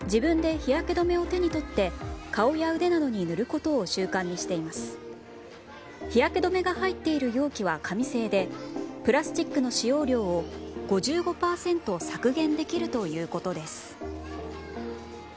日焼け止めが入っている容器は紙製でプラスチックの使用量を５５％削減できるということです。